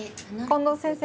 近藤先生